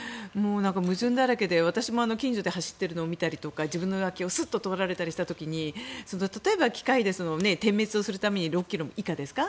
矛盾だらけで、私も近所で走っているのを見たりとか自分の脇をすっと通られたりした時に例えば機械で点滅する時に６ｋｍ以下ですか。